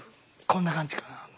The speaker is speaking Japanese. こんな感じかな。